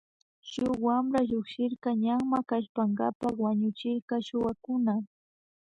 Shun wampra llukshirka ñanma kallpankapa wañuchirka shuwakuna.